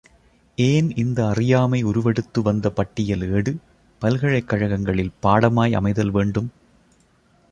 ஏன் இந்த அறியாமை உருவெடுத்துவந்த பட்டியல் ஏடு, பல்கலைக் கழகங்களில் பாடமாய் அமைதல் வேண்டும்?